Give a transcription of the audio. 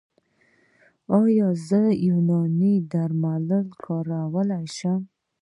ایا زه یوناني درمل کارولی شم؟